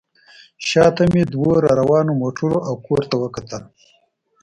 شا ته مې دوو راروانو موټرو او کور ته وکتل.